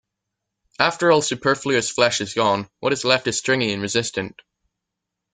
After all superfluous flesh is gone what is left is stringy and resistant.